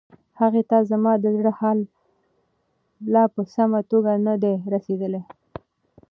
هغې ته زما د زړه حال لا په سمه توګه نه دی رسیدلی.